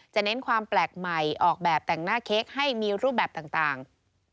เน้นความแปลกใหม่ออกแบบแต่งหน้าเค้กให้มีรูปแบบต่าง